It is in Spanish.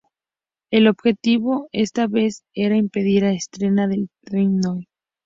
El objetivo, esta vez, era impedir a estrena del "The Noite.